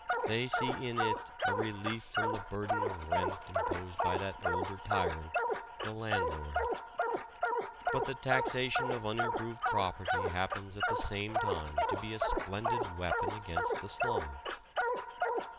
They see in it a relief from the burden of rent imposed by that older tyrant the landlord. But the taxation of unimproved property happens at the same time to be a splendid weapon against the slum.